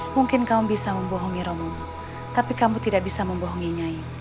mungkin kamu bisa membohongi romo tapi kamu tidak bisa membohongi nyai